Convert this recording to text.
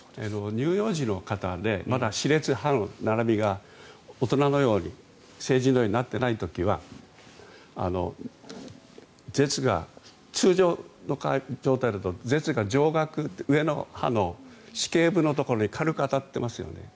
乳幼児の方でまだ歯列、歯の並びが大人のように成人のようになっていない時は舌が通常の状態だと舌が上顎上の歯の歯頸部のところに軽く当たってますよね。